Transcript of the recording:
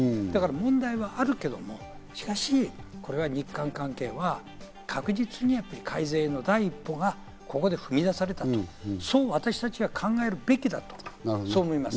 問題はあるけれども、しかし日韓関係は確実に改善への第一歩がここで踏み出されたと、そう私たちは考えるべきだと、そう思います。